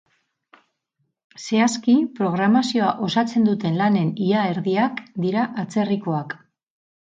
Zehazki, programazioa osatzen duten lanen ia erdiak dira atzerrikoak.